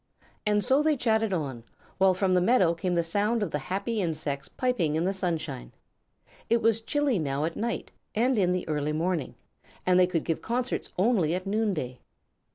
And so they chatted on, while from the meadow came the sound of the happy insects piping in the sunshine. It was chilly now at night and in the early morning, and they could give concerts only at noonday.